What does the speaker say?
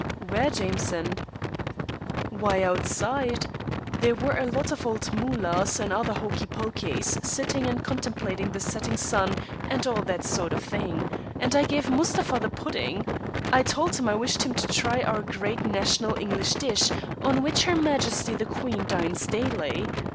"Where, Jameson?" "Why, outside. There were a lot of old moolahs and other hoky pokies sitting and contemplating the setting sun and all that sort of thing, and I gave Mustapha the pudding. I told him I wished him to try our great national English dish, on which her Majesty the Queen dines daily.